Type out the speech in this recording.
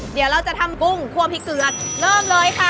เดี๋ยวเราจะทำกุ้งคั่วพริกเกลือเริ่มเลยค่ะ